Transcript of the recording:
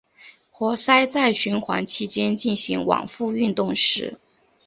活塞在循环期间进行往复运动时。